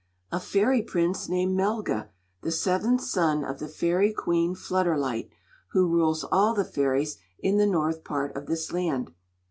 "A fairy prince named Melga, the seventh son of the fairy Queen Flutterlight, who rules all the fairies in the north part of this land."